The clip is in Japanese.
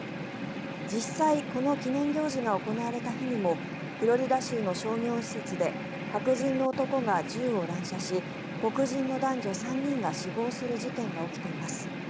実際この記念行事が行われた日にもフロリダ州の商業施設で白人の男が銃を乱射し黒人の男女３人が死亡する事件が起きています。